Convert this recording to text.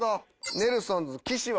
ネルソンズ岸は？